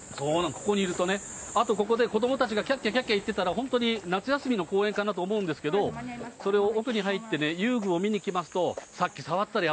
ここにいるとね、あとここで、子どもたちがきゃっきゃきゃっきゃ言ってたら、本当に夏休みの公園かなと思うんですけれども、それを奥に入って遊具を見にきますと、さっき、触ったら、